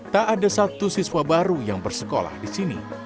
tak ada satu siswa baru yang bersekolah di sini